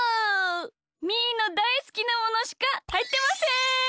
みーのだいすきなものしかはいってません！